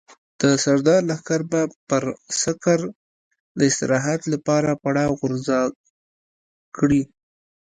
د سردار لښکر به پر سکر د استراحت لپاره پړاو غورځار کړي.